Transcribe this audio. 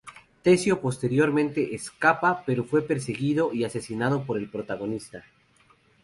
Tessio posteriormente escapa, pero fue perseguido y asesinado por el protagonista.